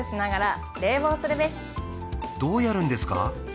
どうやるんですか？